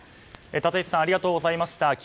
立石さんありがとうございました。